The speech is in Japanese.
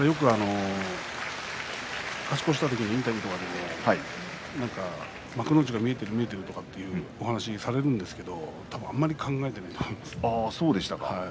よく勝ち越した時にインタビューとか幕内が見えているとかお話をされるんですがあまり考えていないと思います。